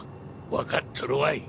わかっとるわい！